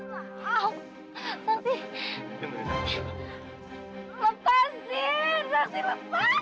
sampai jumpa di video selanjutnya